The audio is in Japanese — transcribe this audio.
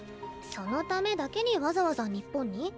そのためだけにわざわざ日本に？